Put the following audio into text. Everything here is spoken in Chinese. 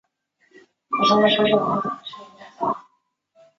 本站是因应仙石线于仙台市内地下化工程而设立的新建车站。